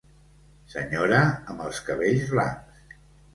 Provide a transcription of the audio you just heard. Senyora amb els cabells blancs.